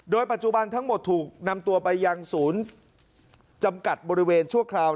โดยปัจจุบันทั้งหมดถูกนำตัวไปยังศูนย์จำกัดบริเวณชั่วคราว